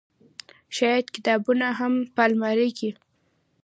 شايد کتابونه هم په المارۍ کې